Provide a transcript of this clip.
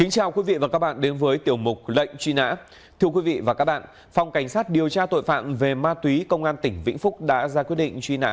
chào mừng quý vị đến với tiểu mục lệnh truy nã